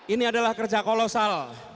ini adalah kerja kolosal